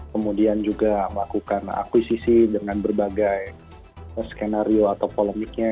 kemudian juga melakukan akuisisi dengan berbagai skenario atau polemiknya